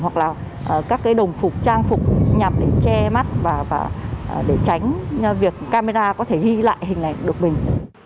hoặc là các cái đồng phục trang phục nhằm để che mắt và để tránh việc camera có thể ghi lại hình ảnh được mình